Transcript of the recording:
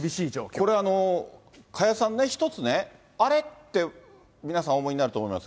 これ、加谷さんね、一つね、あれって皆さん、お思いになると思います。